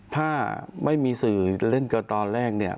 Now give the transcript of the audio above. ถ้าไม่มีสื่อเล่นกันตอนแรกเนี่ย